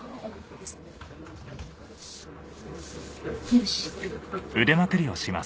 よし。